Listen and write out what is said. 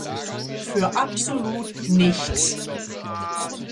Für absolut nichts!